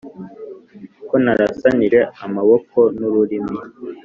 ko narasanije amaboko n’ururimi